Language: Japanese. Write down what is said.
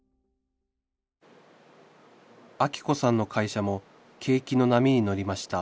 アキ子さんの会社も景気の波に乗りました